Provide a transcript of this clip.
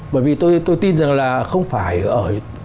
bởi vì tôi tin rằng là không phải ở